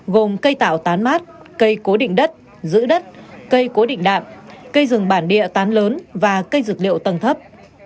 gồm cây tạo tán mát cây cố định đất giữ đất cây cố định đạm cây rừng bản địa tán lớn và cây dược liệu tầng thấp